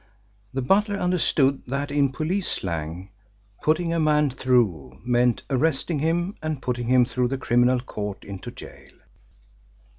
The butler understood that in police slang "putting a man through" meant arresting him and putting him through the Criminal Court into gaol.